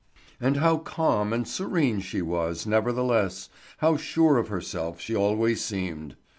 And how calm and serene she was, nevertheless, how sure of herself she always seemed!